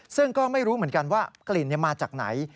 ซึ่งก็ไม่รู้เหมือนกันว่ากลิ่นมาจากไหน